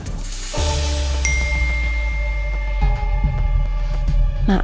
maaf pak ini foto bunganya terlampir ya